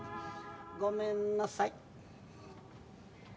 ごめんなさい。